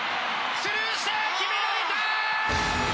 スルーして決められた！